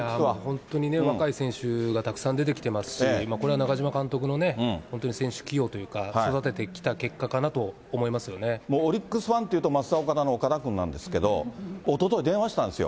本当にね、若い選手がたくさん出てきてますし、これはなかじま監督の本当に選手起用というか、育ててきた結果かもうオリックスファンっていうとますだおかだの岡田君なんですけど、おととい電話したんですよ。